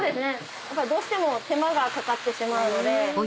やっぱりどうしても手間がかかってしまうので。